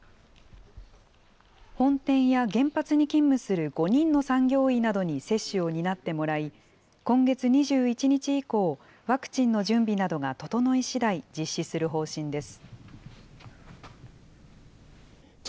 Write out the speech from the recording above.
本店や原発に勤務する５人の産業医などに接種を担ってもらい、今月２１日以降、ワクチンの準備などが整いしだい、実施する方針です。